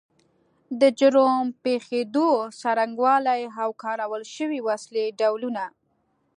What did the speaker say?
د جرم پیښېدو څرنګوالی او کارول شوې وسلې ډولونه